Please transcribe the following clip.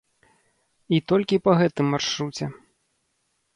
І толькі па гэтым маршруце.